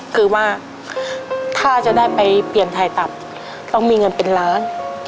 คือว่าถ้าจะได้ไปเปลี่ยนถ่ายตับต้องมีเงินเป็นล้าน